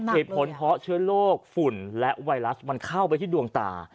เหตุผลเพราะเชื้อโรคฝุ่นและไวรัสมันเข้าไปที่ดวงตา